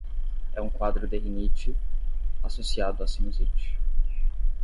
É um quadro de rinite associado a sinusite